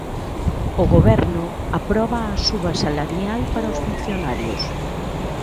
O Goberno aproba a suba salarial para os funcionarios.